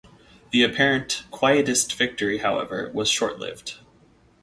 The apparent Quietist victory, however, was short-lived.